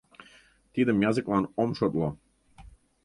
Тидым языклан ом шотло.